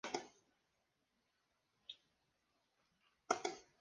La película fue dirigida por el fotógrafo Danny Clinch.